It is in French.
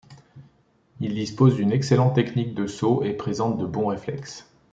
Il dispose d'une excellente technique de saut et présente de bons réflexes.